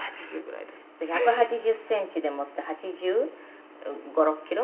「１８０センチでもって８５８６キロ？」